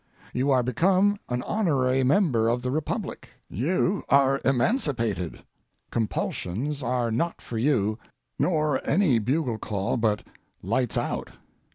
You are become an honorary member of the republic, you are emancipated, compulsions are not for you, nor any bugle call but "lights out."